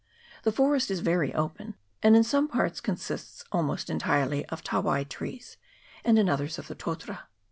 The forest is very open, and in some parts consists almost entirely of tawai trees, and in others of the totara.